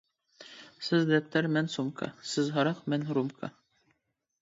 سىز دەپتەر مەن سومكا، سىز ھاراق مەن رومكا.